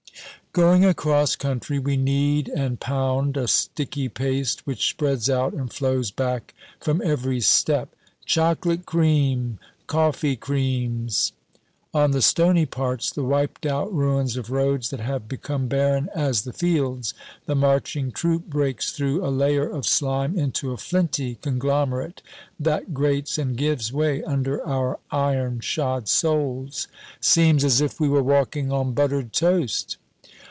Going across country we knead and pound a sticky paste which spreads out and flows back from every step "Chocolate cream coffee creams!" On the stony parts, the wiped out ruins of roads that have become barren as the fields, the marching troop breaks through a layer of slime into a flinty conglomerate that grates and gives way under our iron shod soles "Seems as if we were walking on buttered toast!"